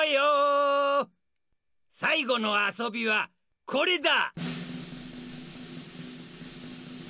さいごのあそびはこれだ！